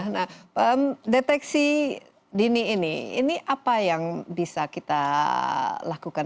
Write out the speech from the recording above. nah deteksi dini ini ini apa yang bisa kita lakukan